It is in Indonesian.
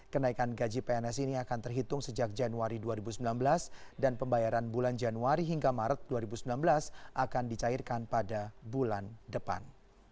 kenaikan gaji pns ini akan terhitung sejak januari dua ribu sembilan belas dan pembayaran bulan januari hingga maret dua ribu sembilan belas akan dicairkan pada bulan depan